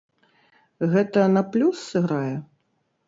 Гэта на плюс сыграе?